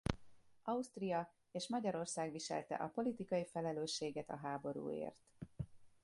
Ausztria és Magyarország viselte a politikai felelősséget a háborúért.